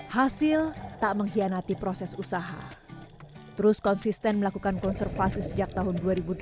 hasil tak mengkhianati proses usaha terus konsisten melakukan konservasi sejak tahun dua ribu delapan